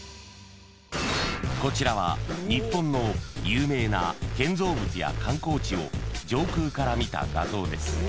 ［こちらは日本の有名な建造物や観光地を上空から見た画像です］